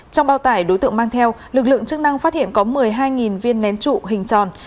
trong bao tải đối tượng mang theo lực lượng chức năng phát hiện có một mươi hai viên nén trụ hình tròn